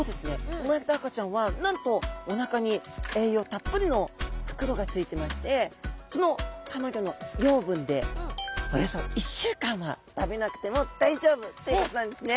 産まれた赤ちゃんはなんとおなかに栄養たっぷりの袋がついてましてそのたまギョの養分でおよそ１週間は食べなくても大丈夫ということなんですね。